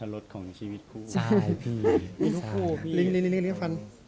ลิ้งกับฟัน